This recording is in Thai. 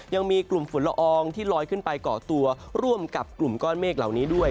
ยังมีกลุ่มฝุ่นละอองที่ลอยขึ้นไปเกาะตัวร่วมกับกลุ่มก้อนเมฆเหล่านี้ด้วย